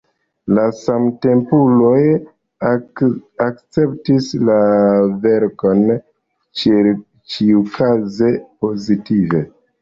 La samtempuloj akceptis la verkon ĉiukaze pozitive.